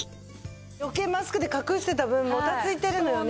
余計マスクで隠してた分もたついてるのよね。